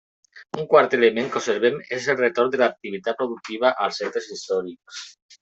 Un quart element que observem és el retorn de l'activitat productiva als centres històrics.